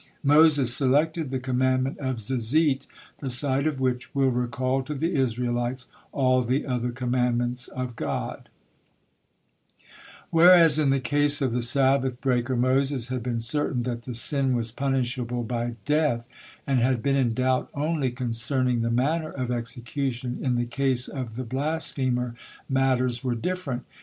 Moses selected the commandment of Zizit, the sight of which will recall to the Israelites all the other commandments of God. Whereas in the case of the Sabbath breaker Moses had been certain that the sin was punishable by death, and had been certain that the sin was punishable by death, and had been in doubt only concerning the manner of execution, in the case of the blasphemer matters were different.